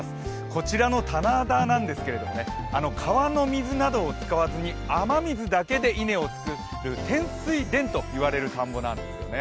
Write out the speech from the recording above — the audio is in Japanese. こちらの棚田なんですけれども、川の水などを使わずに雨水だけで稲を作る天水田と言われる田んぼなんですね。